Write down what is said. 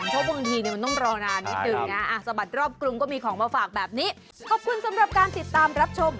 เพราะบางทีเนี่ยมันต้องรอนานนิดหนึ่งนะสะบัดรอบกรุงก็มีของมาฝากแบบนี้ขอบคุณสำหรับการติดตามรับชม